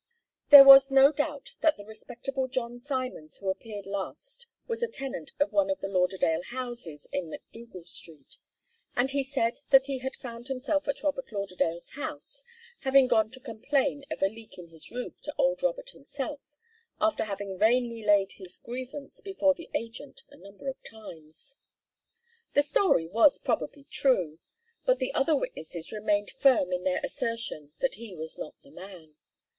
There was no doubt that the respectable John Simons who appeared last was a tenant of one of the Lauderdale houses in MacDougal Street, and he said that he had found himself at Robert Lauderdale's house, having gone to complain of a leak in his roof to old Robert himself, after having vainly laid his grievance before the agent a number of times. The story was probably true, but the other witnesses remained firm in their assertion that he was not the man.